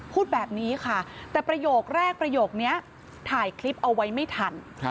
พูดแบบนี้ค่ะแต่ประโยคแรกประโยคนี้ถ่ายคลิปเอาไว้ไม่ทัน